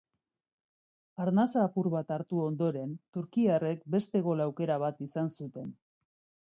Arnasa apur bat hartu ondoren turkiarrek beste gol aukera bat izan zuten.